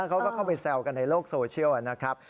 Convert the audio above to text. เขาก็เข้าไปแซวกันในโลกโซเชียลนะครับ